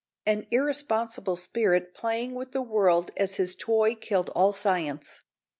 An irresponsible spirit playing with the world as his toy killed all science.